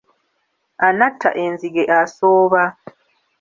Anatta enzige asooba.